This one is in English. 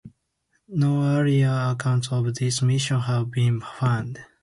No earlier accounts of this mission have been found.